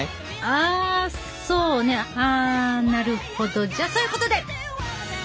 あなるほどじゃそういうことで！